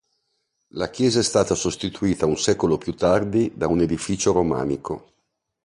La chiesa è stata sostituita un secolo più tardi da un edificio romanico.